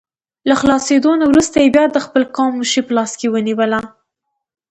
له خلاصېدو نه وروسته یې بیا د خپل قوم مشري په لاس کې ونیوله.